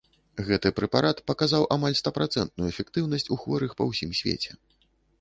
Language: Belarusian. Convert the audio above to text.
Гэты прэпарат паказаў амаль стапрацэнтную эфектыўнасць у хворых па ўсім свеце.